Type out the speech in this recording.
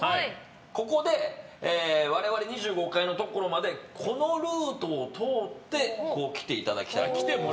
ここで、我々２５階のところまでこのルートを通って来ていただきたいと。